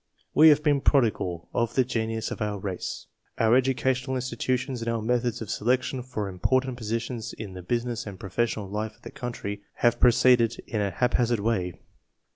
We have been prodigal of the genius of our race. Our educational institutions and our methods of selection for important positions in the business and professional life of the country have proceeded in a hap hazard way.